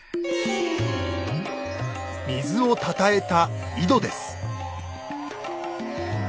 水をたたえた井戸です。